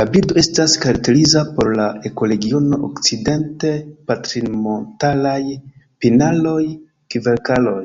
La birdo estas karakteriza por la ekoregiono okcident-patrinmontaraj pinaroj-kverkaroj.